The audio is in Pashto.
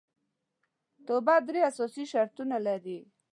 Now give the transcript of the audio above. توبه درې اساسي شرطونه لري